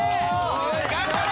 頑張れ！